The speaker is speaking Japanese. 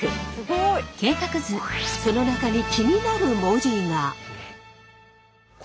その中に気になる文字が。